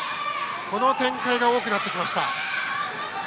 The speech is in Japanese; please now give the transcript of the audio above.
この展開が多くなってきました。